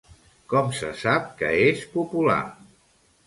Com se sap que és popular?